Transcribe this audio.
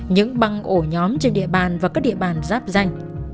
những băng ổ nhóm trên địa bàn và các địa bàn giáp danh